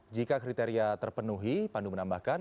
jika kriteria terpenuhi pandu menambahkan